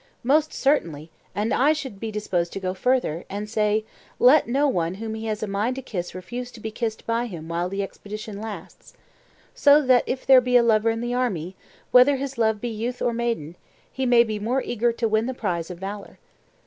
Most certainly, and I should be disposed to go further, and say: Let no one whom he has a mind to kiss refuse to be kissed by him while the expedition lasts. So that if there be a lover in the army, whether his love be youth or maiden, he may be more eager to win the prize of valour.